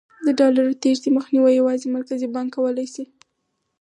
د ډالرو تېښتې مخنیوی یوازې مرکزي بانک کولای شي.